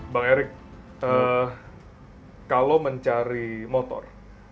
bang erik kalau mencari motor